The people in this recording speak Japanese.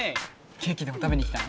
「ケーキ」でも食べに来たの？